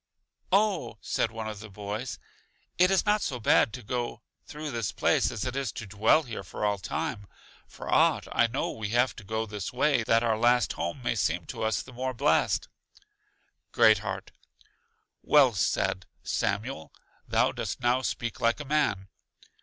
Oh, said one of the boys, it is not so bad to go through this place as it is to dwell here for all time; for aught I know we have to go this way that our last home may seem to us the more blest. Great heart: Well said, Samuel; thou dost now speak like a man.